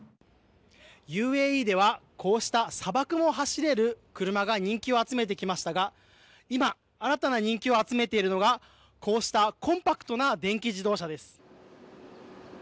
ＵＡＥではこうした砂漠も走れる車が人気を集めてきましたが今、新たな人気を集めているのがこうしたコンパクトな電気自動車です。